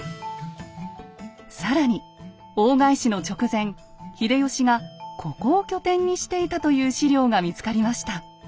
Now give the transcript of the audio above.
更に大返しの直前秀吉がここを拠点にしていたという史料が見つかりました。